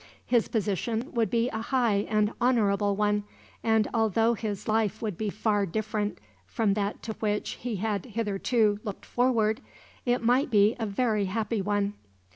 His position would be a high and honorable one, and although his life would be far different from that to which he had hitherto looked forward, it might be a very happy one.